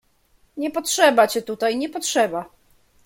"Nie potrzeba cię tutaj, nie potrzeba!"